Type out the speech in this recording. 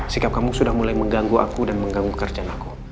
sikap kamu sudah mulai mengganggu aku dan mengganggu kerjaan aku